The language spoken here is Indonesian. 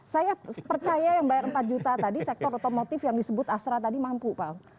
saya percaya yang bayar empat juta tadi sektor otomotif yang disebut astra tadi mampu pak